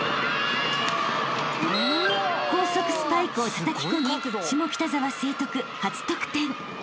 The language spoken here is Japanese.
［高速スパイクをたたきこみ下北沢成徳初得点。